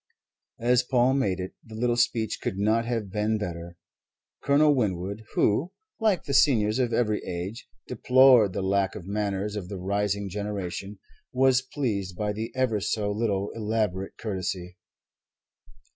As Paul made it, the little speech could not have been better. Colonel Winwood, who (like the seniors of every age) deplored the lack of manners of the rising generation, was pleased by the ever so little elaborate courtesy.